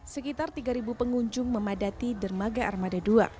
sekitar tiga pengunjung memadati dermaga armada dua